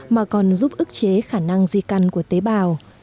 mà còn giúp ức chế khả năng di căn của tiến sĩ